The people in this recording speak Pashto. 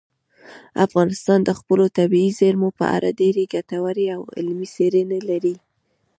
افغانستان د خپلو طبیعي زیرمو په اړه ډېرې ګټورې او علمي څېړنې لري.